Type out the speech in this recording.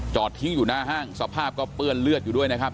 ทิ้งอยู่หน้าห้างสภาพก็เปื้อนเลือดอยู่ด้วยนะครับ